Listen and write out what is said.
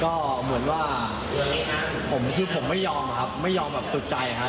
ก็เหมือนว่าผมคือผมไม่ยอมครับไม่ยอมแบบสุดใจครับ